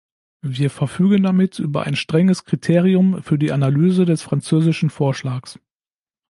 Wir verfügen damit über ein strenges Kriterium für die Analyse des französischen Vorschlags.